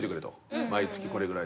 毎月これぐらい。